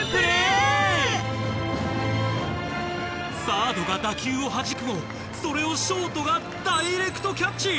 サードが打球をはじくもそれをショートがダイレクトキャッチ！